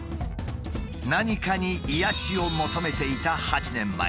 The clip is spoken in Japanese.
何かに癒やしを求めていた８年前。